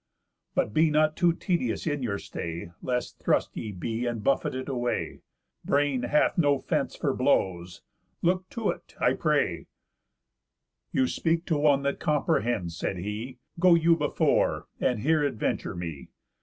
But be not you too tedious in your stay, Lest thrust ye be and buffeted away. Brain hath no fence for blows; look to 't I pray." "You speak to one that comprehends," said he, "Go you before, and here adventure me.